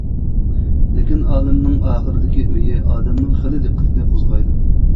لېكىن ئالىمنىڭ ئاخىرىدىكى ئويى ئادەمنىڭ خېلى دىققىتىنى قوزغايدۇ.